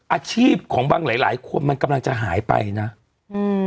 อาชีพของบางหลายหลายคนมันกำลังจะหายไปนะอืม